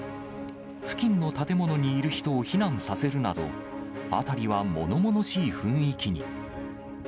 付近の建物にいる人を避難させるなど、辺りはものものしい雰囲気に。